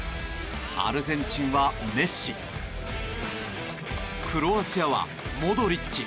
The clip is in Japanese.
アルゼンチンはメッシクロアチアはモドリッチ。